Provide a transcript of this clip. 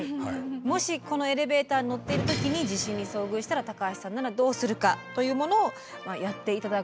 もしこのエレベーターに乗っている時に地震に遭遇したら高橋さんならどうするか？というものをやって頂こうと思います。